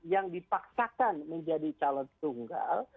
yang dipaksakan menjadi calon tunggal